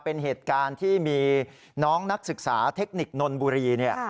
เป็นเหตุการณ์ที่มีน้องนักศึกษาเทคนิคนนนบุรีเนี่ย